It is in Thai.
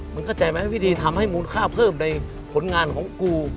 มันเข้าใจไหมวิธีทำให้มูลค่าเพิ่มในผลงานของกู